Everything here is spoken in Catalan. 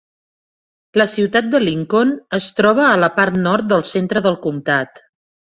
La ciutat de Lincoln es troba a la part nord del centre del comtat.